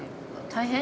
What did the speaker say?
大変？